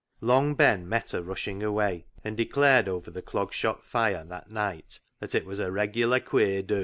Long Ben met her rushing away, and de clared over the Clog Shop fire that night that it was a " regular queer do."